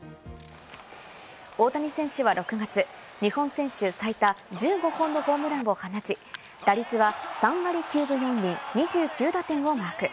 大谷選手は６月、日本選手最多１５本のホームランを放ち、打率は３割９分４厘、２９打点をマーク。